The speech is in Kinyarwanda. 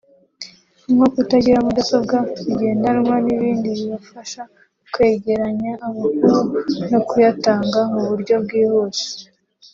nko kutagira mudasobwa zigendanwa n’ibindi bibafasha kwegeranya amakuru no kuyatanga mu buryo bwihuse